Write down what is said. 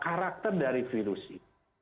karakter dari virus ini